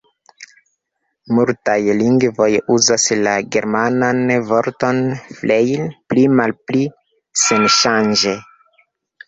Multaj lingvoj uzas la germanan vorton "Freiherr" pli-malpli senŝanĝe.